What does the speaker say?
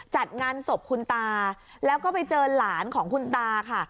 จัดงานศพคุณตาแล้วก็ไปเจอหลานของคุณตาค่ะ